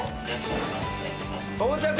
到着。